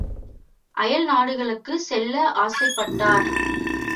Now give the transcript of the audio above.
அயல் நாடுகளுக்குச் செல்ல ஆசைப்பட்டார்.